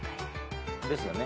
ですよね。